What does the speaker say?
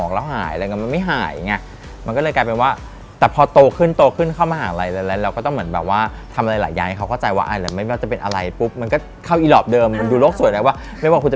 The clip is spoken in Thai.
รู้ว่ากลิกมันก็ไม่ให้